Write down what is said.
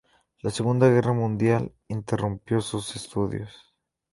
La Segunda Guerra Mundial interrumpió sus estudios.